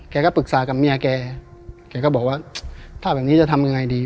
ปรึกษากับเมียแกแกก็บอกว่าถ้าแบบนี้จะทำยังไงดี